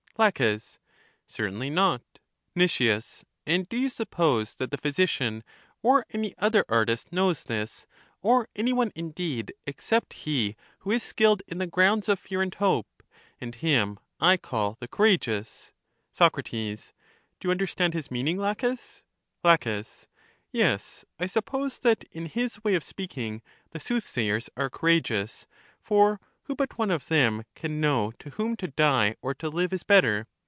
La, Certainly not. Nic, And do you suppose that the physician or any other artist knows this, or any one indeed, except he who is skilled in the grounds of fear and hope? And him I call the courageous. Soc, Do you understand his meaning. Laches? La, Yes; I suppose that, in his way of speaking, the soothsayers are courageous. For who but one of them can know to whom to die or to live is better?